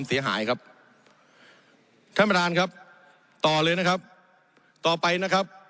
ท่านประธานครับต่อเลยนะครับต่อไปนะครับ